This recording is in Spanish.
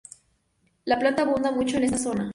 La planta abunda mucho en esta zona.